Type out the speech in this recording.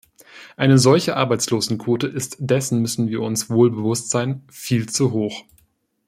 Eine solche Arbeitslosenquote ist -dessen müssen wir uns wohlbewusst sein viel zu hoch.